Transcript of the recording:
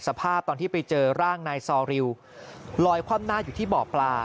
สภาพตอนที่ไปเจอร่างนายซอริวลอยคว่ำหน้าอยู่ที่บ่อปลา